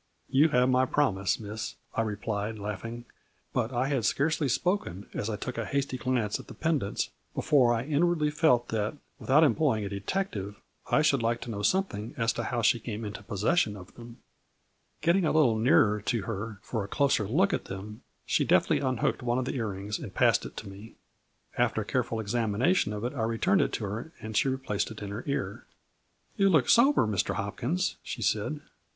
"You have my promise, Miss," I replied, laughing, but I had scarcely spoken, as I took a hasty glance at the pendants, before I inward ly felt that, without employing a detective, I should like to know something as to how she came into possession of them. Getting a little nearer to her for a closer look at them, she deftly unhooked one of the ear rings and passed it to me. After a careful examination of it I returned it to her and she replaced it in her ear. " You look sober, Mr. Hopkins," she said.